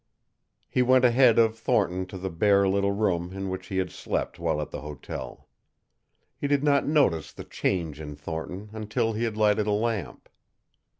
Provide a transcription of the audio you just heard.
He went ahead of Thornton to the bare little room in which he had slept while at the hotel. He did not notice the change in Thornton until he had lighted a lamp.